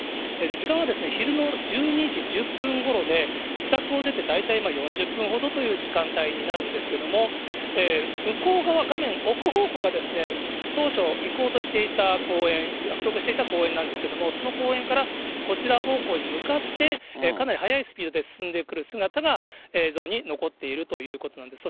時間は昼の１２時１０分ごろで、自宅を出て大体４０分ほどという時間帯になるんですけれども、向こう側、画面奥方向が、当初、行こうとしていた公園、約束していた公園なんですけれども、その公園からこちら方向に向かって、かなり速いスピードで進んでくる姿が映像に残っているということなんです。